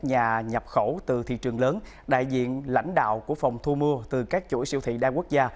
nhà nhập khẩu từ thị trường lớn đại diện lãnh đạo của phòng thu mua từ các chuỗi siêu thị đa quốc gia